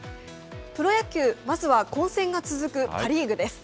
プロ野球、まずは混戦が続くパ・リーグです。